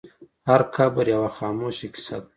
هر قبر یوه خاموشه کیسه ده.